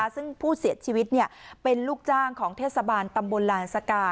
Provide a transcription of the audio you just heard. ซึ่งผู้เสียชีวิตเป็นลูกจ้างของเทศบาลตำบลลานสกา